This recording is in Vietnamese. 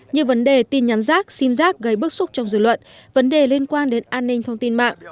như vấn đề tin nhắn rác sim giác gây bức xúc trong dư luận vấn đề liên quan đến an ninh thông tin mạng